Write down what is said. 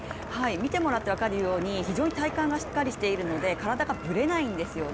見てもらって分かるように非常に体幹がしっかりしているので体がぶれないんですよね。